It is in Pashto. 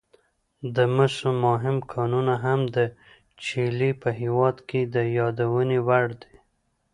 د مسو مهم کانونه هم د چیلي په هېواد کې د یادونې وړ دي.